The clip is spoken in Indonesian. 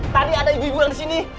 tadi ada ibu ibu yang disini